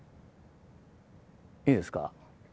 いいですか？